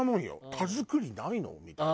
田作りないの？みたいな。